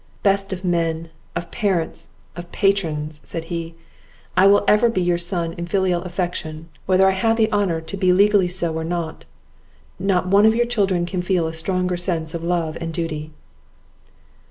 "Best of men! of parents! of patrons!" said he, "I will ever be your son in filial affection, whether I have the honour to be legally so or not; not one of your own children can feel a stronger sense of love and duty."